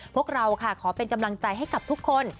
พวกเราค่ะขอเป็นกำลังใจให้กับทุกคน